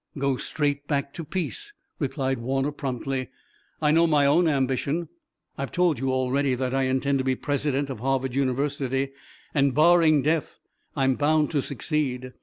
"Go straight back to peace," replied Warner promptly. "I know my own ambition. I've told you already that I intend to be president of Harvard University, and, barring death, I'm bound to succeed.